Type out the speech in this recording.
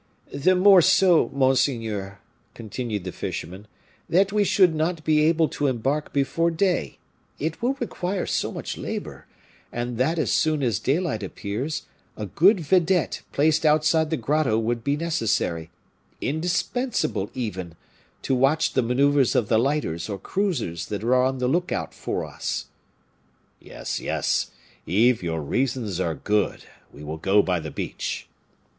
"The more so, monseigneur," continued the fisherman, "that we should not be able to embark before day, it will require so much labor, and that as soon as daylight appears, a good vedette placed outside the grotto would be necessary, indispensable even, to watch the maneuvers of the lighters or cruisers that are on the look out for us." "Yes, yes, Yves, your reasons are good; we will go by the beach."